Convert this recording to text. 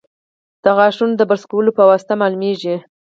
د غاښونو د برس کولو په واسطه معلومېږي.